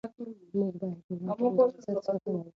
موږ باید د یو بل د عزت ساتنه وکړو.